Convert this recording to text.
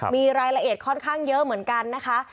มีรายละเอียดค่อนข้างเยอะเหมือนกันนะคะ